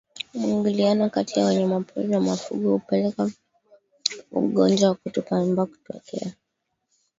Mwingiliano kati ya wanyamapori na mifugo hupelekea ugonjwa wa kutupa mimba kutokea